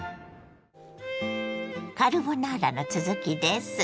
カルボナーラの続きです。